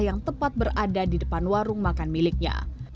yang tepat berada di depan warung makan miliknya